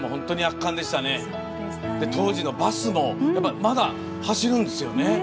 当時のバスもまだ走るんですよね。